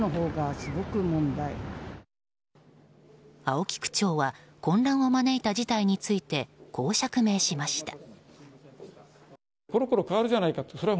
青木区長は混乱を招いた事態についてこう釈明しました。